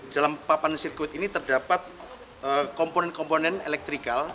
dalam papan sirkuit ini terdapat komponen komponen elektrikal